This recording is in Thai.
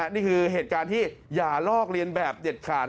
นี่คือเหตุการณ์ที่อย่าลอกเรียนแบบเด็ดขาด